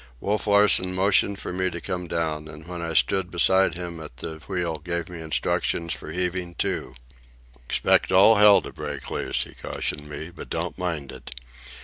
Wolf Larsen motioned for me to come down, and when I stood beside him at the wheel gave me instructions for heaving to. "Expect all hell to break loose," he cautioned me, "but don't mind it.